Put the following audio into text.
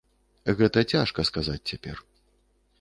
Гэта цяжка сказаць цяпер.